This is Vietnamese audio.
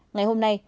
ngày hôm nay